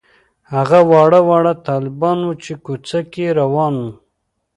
هغه واړه واړه طالبان وو چې کوڅه کې روان وو.